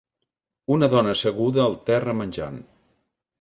Una dona asseguda al terra menjant